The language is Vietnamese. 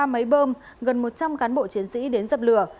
ba máy bơm gần một trăm linh cán bộ chiến sĩ đến dập lửa